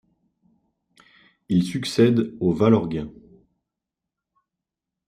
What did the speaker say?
Il succède au Valorguien.